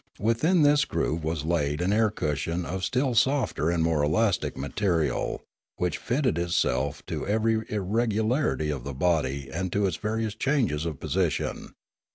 Within this groove was laid an air cushion of still softer and more elastic material, which fitted itself to every irregularity of the body and to its various changes of position.